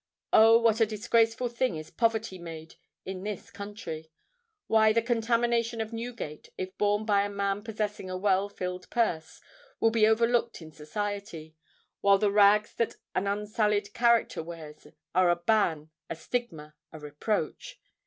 Oh! what a disgraceful thing is poverty made in this country! Why—the contamination of Newgate, if borne by a man possessing a well filled purse, will be overlooked in society; while the rags that an unsullied character wears, are a ban—a stigma—a reproach!